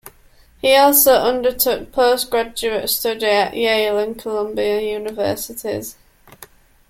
He also undertook post-graduate study at Yale and Columbia Universities.